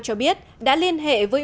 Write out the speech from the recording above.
cho biết đã liên hệ với